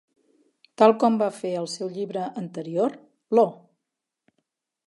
Tal com va fer el seu llibre anterior, Lo!